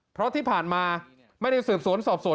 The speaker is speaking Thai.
เพราะที่ผ่านมาไม่ได้สืบสวนสอบสวน